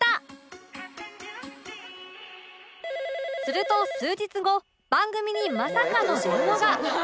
すると数日後番組にまさかの電話が